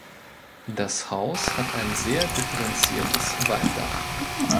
Das Haus hat ein sehr differenziertes Walmdach.